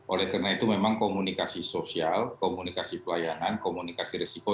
oleh karena itu memang komunikasi sosial komunikasi pelayanan komunikasi resiko